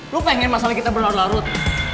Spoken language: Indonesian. lu pengen masalah kita berlarut larut